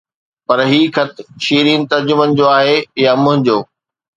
پر هي خط شيرين ترجمن جو آهي يا منهنجو